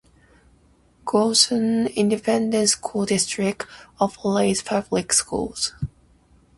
Gholson Independent School District operates public schools.